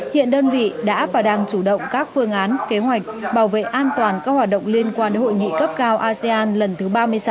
hiện đơn vị đã và đang chủ động các phương án kế hoạch bảo vệ an toàn các hoạt động liên quan đến hội nghị cấp cao asean lần thứ ba mươi sáu